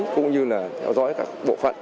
cũng như theo dõi các bộ phận